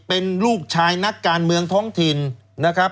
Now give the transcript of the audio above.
เป็นลูกชายนักการเมืองท้องถิ่นนะครับ